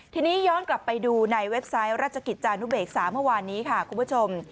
ทีนี้ย้อนกลับไปดูในเว็บไซต์ราชกิจจานุเบกษาเมื่อวานนี้ค่ะคุณผู้ชม